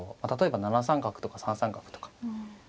例えば７三角とか３三角とか。